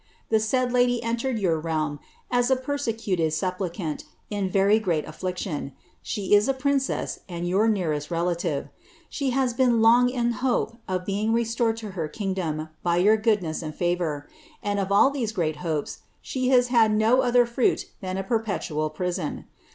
The said lady entered your realm a persecuted sup »l«cant in very great affliction ; she is a princess, and your nearest relative ; she us been long in hope of being restored to her kingdom by your goodness and krour; and of all these great hopes, she has had no other fruit than a perpetual nison.